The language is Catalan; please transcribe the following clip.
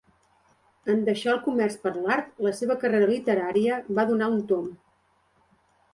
En deixar el comerç per l'art, la seva carrera literària va donar un tomb.